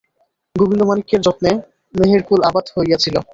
গোবিন্দমাণিক্যের যত্নে মেহেরকুল আবাদ হইয়াছিল।